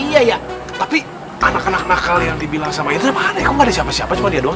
iya tapi anak anak nakal yang dibilang sama ini ada siapa siapa cuman dia doang